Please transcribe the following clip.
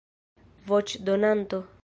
voĉdonanto